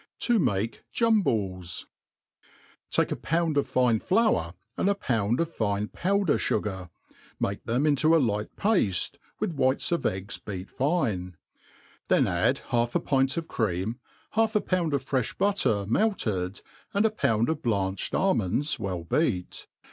To make Jumballs. TAKE a pound of fine flour and a pound of fine powder fu« gar, make them into a light pafte, with whites of eggs beat fine : the)i add half a pint of cream, half a pound of fre(h butter melted, and a pound of blanched almonds well beat.